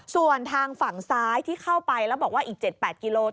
ส่วนทางฝั่งซ้ายที่เข้าไปแล้วบอกว่าอีก๗๘กิโล